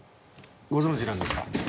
ご存じなんですか？